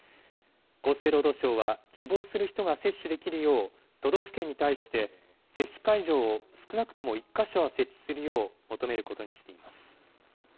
厚生労働省は、希望する人が接種できるよう、都道府県に対して接種会場を少なくとも１か所は設置するよう求めることにしています。